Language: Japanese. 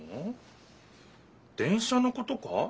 電車のことか？